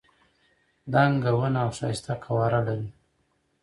دنګه ونه او ښایسته قواره لري.